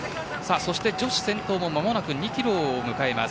女子先頭も間もなく２キロを迎えます。